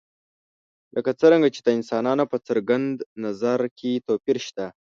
لکه څرنګه چې د انسانانو په څرګند نظر کې توپیر شته.